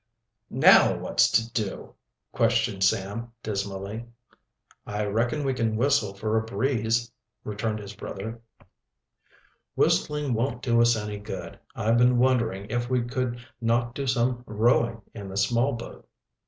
"Now what's to do?" questioned Sam dismally. "I reckon we can whistle for a breeze," returned his brother. "Whistling won't do us any good. I've been wondering if we could not do some rowing in the small boat."